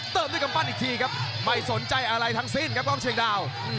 เติมด้วยกำปั้นอีกทีครับไม่สนใจอะไรทั้งสิ้นครับกล้องเชียงดาว